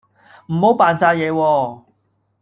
唔好扮晒嘢喎